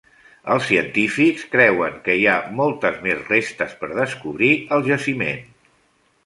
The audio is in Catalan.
Els científics creuen que hi ha moltes més restes per descobrir al jaciment.